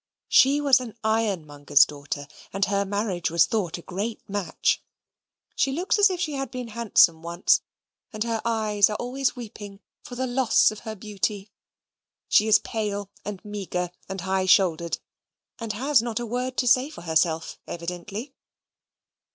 She was an ironmonger's daughter, and her marriage was thought a great match. She looks as if she had been handsome once, and her eyes are always weeping for the loss of her beauty. She is pale and meagre and high shouldered, and has not a word to say for herself, evidently.